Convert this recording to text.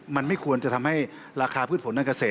มันไม่ควรจะทำให้ราคาพืชผลทางเกษตร